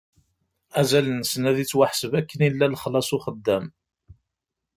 Azal-nsen ad ittwaḥseb akken yella lexlaṣ n uxeddam.